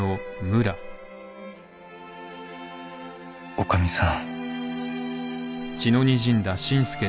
おかみさん。